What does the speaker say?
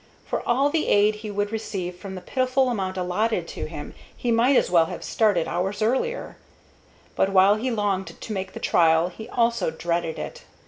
For all the aid he would receive from the pitiful amount allotted to him he might as well have started hours earlier; but while he longed to make the trial he also dreaded it.